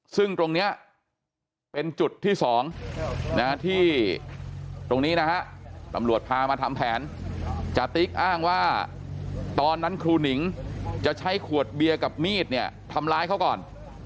ซึ่งตรงนี้เป็นจุดที่๒ที่ตรงนี้นะฮะตำรวจพามาทำแผนจติ๊กอ้างว่าตอนนั้นครูหนิงจะใช้ขวดเบียร์กับมีดเนี่ยทำร้ายเขาก่อน